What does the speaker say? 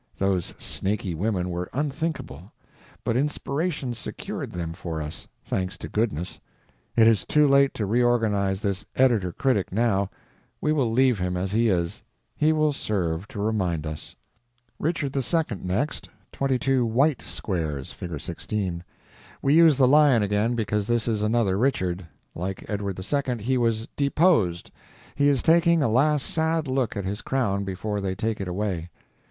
Those snaky women were unthinkable, but inspiration secured them for us, thanks to goodness. It is too late to reorganize this editor critic now; we will leave him as he is. He will serve to remind us. Richard II. next; twenty two _white _squares. (Fig. 16.) We use the lion again because this is another Richard. Like Edward II., he was deposed. He is taking a last sad look at his crown before they take it away.